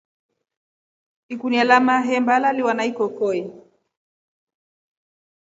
Ikunia la mahemba laliwa na ikokoi.